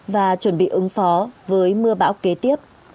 và chuẩn bị ứng phó với mưa bão kế tiếp